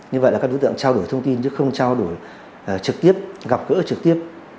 như vậy là các đối tượng trao đổi thông tin chứ không trao đổi trực tiếp gặp gỡ trực tiếp